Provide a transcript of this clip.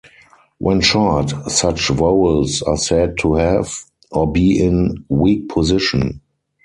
When short, such vowels are said to have, or be in, weak position.